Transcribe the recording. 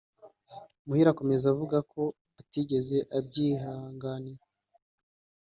Muhire akomeza avuga ko atigeze abyihanganira